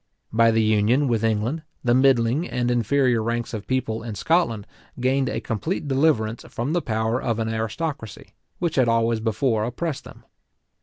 By the union with England, the middling and inferior ranks of people in Scotland gained a complete deliverance from the power of an aristocracy, which had always before oppressed them.